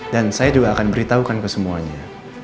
dan saya juga akan beritahukan kesemuanya